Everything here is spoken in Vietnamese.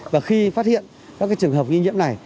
và khi phát hiện các trường hợp nghi nhiễm này